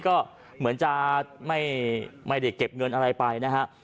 ก็เหมือนจะไม่ได้เก็บเงินอะไรไปนะฮะ